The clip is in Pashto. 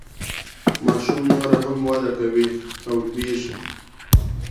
ماشوم نوره هم وده کوي او لوییږي.